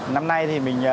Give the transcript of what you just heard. năm nay thì